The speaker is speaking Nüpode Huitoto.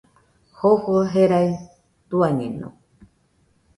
Jofo jerai tuañeno